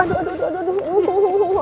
aduh aduh aduh aduh